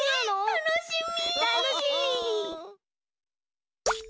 たのしみ！